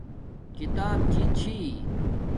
کتاب جی چھی